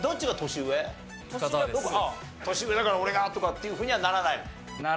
年上だから俺がとかっていうふうにはならない？